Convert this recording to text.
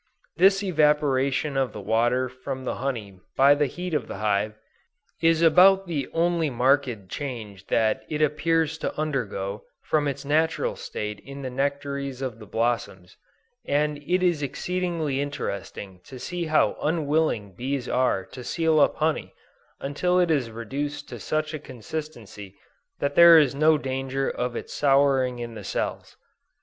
This evaporation of the water from the honey by the heat of the hive, is about the only marked change that it appears to undergo, from its natural state in the nectaries of the blossoms; and it is exceedingly interesting to see how unwilling bees are to seal up honey, until it is reduced to such a consistency that there is no danger of its souring in the cells.